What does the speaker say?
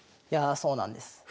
いやそうなんです。